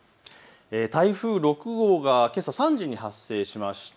台風６号がけさ３時に発生しました。